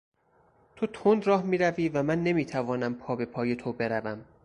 تو تند راه میروی و من نمیتوانم پابهپای تو بروم.